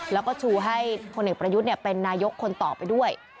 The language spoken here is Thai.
แล้วก็ชูให้พลเอกประยุทธ์เป็นนายกคนต่อไปด้วย